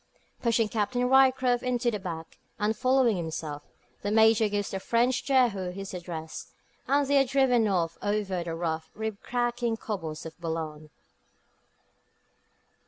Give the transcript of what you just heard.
Pushing Captain Ryecroft into the back, and following himself, the Major gives the French Jehu his address, and they are driven off over the rough, rib cracking cobbles of Boulogne.